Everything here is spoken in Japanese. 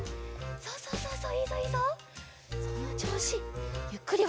そうそうそうそう。